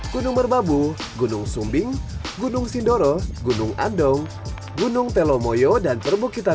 gunung merbabu gunung sumbing gunung sindoro gunung andong gunung telomoyo dan perbukitan